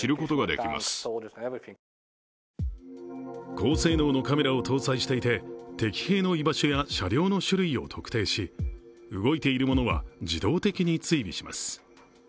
高性能のカメラを搭載していて敵兵の居場所や車両の種類を特定し動いているものは自動的に追尾します。